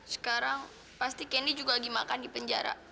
sekarang pasti kenny juga lagi makan di penjara